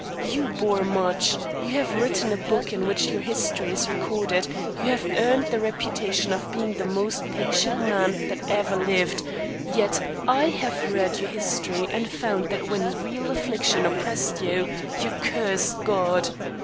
you bore much; you have written a book in which your history is recorded; you have earned the reputation of being the most patient man that ever lived; yet I have read your history and found that when real affliction oppressed you, you cursed God.